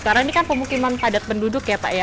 karena ini kan pemukiman padat penduduk ya pak ya